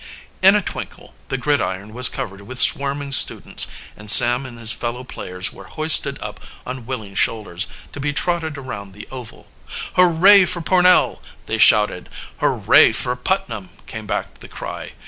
In a twinkle the gridiron was covered with swarming students, and Sam and his fellow players were hoisted up on willing shoulders, to be trotted around the oval. "Hurrah for Pornell!" they shouted. "Hurrah for Putnam!" came back the cry.